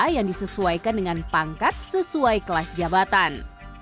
yang disesuaikan dengan pangkat sesuai kelas jabatan